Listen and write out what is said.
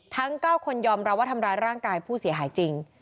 ทั้ง๙คนยอมรับว่าทำร้ายร่างกายผู้เสียหายจริง